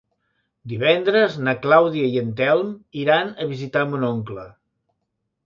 Divendres na Clàudia i en Telm iran a visitar mon oncle.